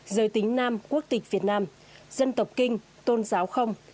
giới tính nam quốc tịch việt nam dân tộc kinh tôn giáo không